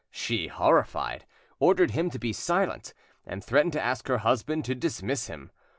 She, horrified, ordered him to be silent, and threatened to ask her husband to dismiss him.